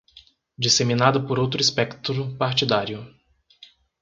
Disseminada por outro espectro partidário